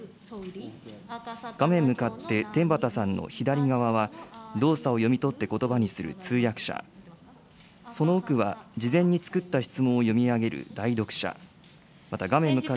画面向かって天畠さんの左側は、動作を読み取ってことばにする通訳者、その奥は、事前に作った質問を読み上げる代読者、また、画面向かって。